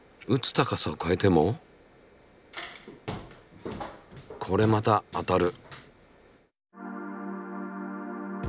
高さを変えてもこれまた当たる。